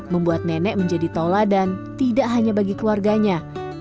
membuat nenek menjadi tola dan tidak hanya bagi keluarganya